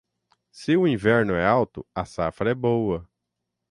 Se o inverno é alto, a safra é boa.